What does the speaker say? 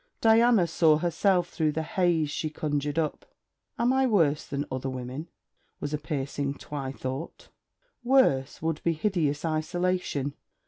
Diana saw herself through the haze she conjured up. 'Am I worse than other women?' was a piercing twithought. Worse, would be hideous isolation.